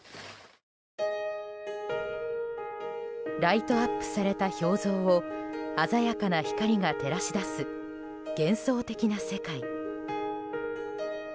ライトアップされた氷像を鮮やかな光が照らし出す幻想的な世界。